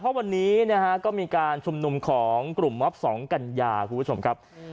เพราะวันนี้นะฮะก็มีการชุมนุมของกลุ่มมอบ๒กัญญาคุณผู้ชมครับ